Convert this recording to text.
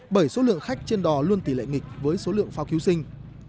bởi số lượng khách trên đò luôn tỷ lệ nghịch với số lượng phao cứu sinh